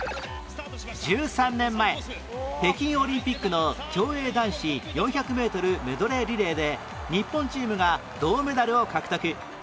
１３年前北京オリンピックの競泳男子４００メートルメドレーリレーで日本チームが銅メダルを獲得